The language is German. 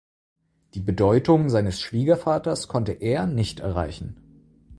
Die Bedeutung seines Schwiegervaters konnte er nicht erreichen.